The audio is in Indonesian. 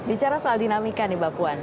bicara soal dinamika nih mbak puan